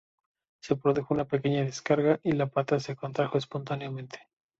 Se produjo una pequeña descarga, y la pata se contrajo espontáneamente.